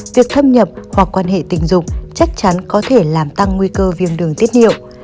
việc thâm nhập hoặc quan hệ tình dục chắc chắn có thể làm tăng nguy cơ viêm đường tiết điệu